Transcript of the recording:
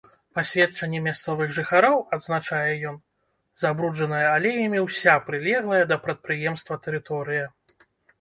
Па сведчанні мясцовых жыхароў, адзначае ён, забруджаная алеямі ўся прылеглая да прадпрыемства тэрыторыя.